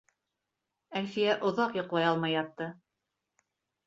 Әлфиә оҙаҡ йоҡлай алмай ятты.